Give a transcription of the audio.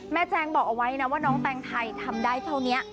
แจงบอกเอาไว้นะว่าน้องแตงไทยทำได้เท่านี้